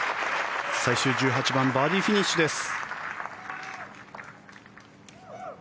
最終１８番バーディーフィニッシュです。